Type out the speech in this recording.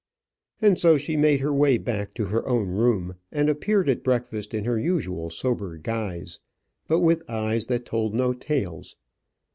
And so she made her way back to her own room, and appeared at breakfast in her usual sober guise, but with eyes that told no tales.